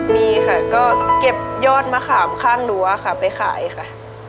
มีค่ะก็เก็บยอดมะขามข้างรั้วค่ะไปขายค่ะ